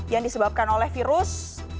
yang disebabkan oleh virus